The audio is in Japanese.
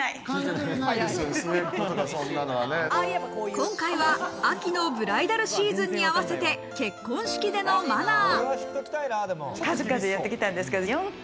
今回は、秋のブライダルシーズンに合わせて結婚式でのマナー。